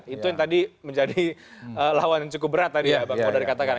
itu yang tadi menjadi lawan yang cukup berat tadi ya bang kodari katakan